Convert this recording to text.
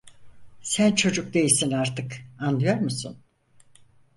Sen çocuk değilsin artık, anlıyor musun?